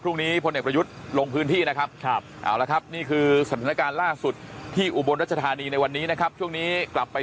พรุ่งนี้พลเอกประยุทธ์ลงพื้นที่นะครับนะครับจองนี้